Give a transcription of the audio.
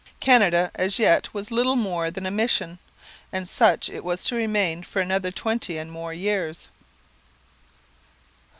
Canada as yet was little more than a mission; and such it was to remain for another twenty and more years.